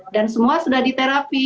dan semua sudah diterapi